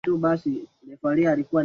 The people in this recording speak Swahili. Toka mbavuni mwako yenyewe.